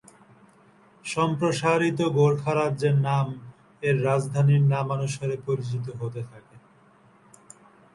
সম্প্রসারিত গোর্খা রাজ্যের নাম এর রাজধানীর নামানুসারে পরিচিত হতে থাকে।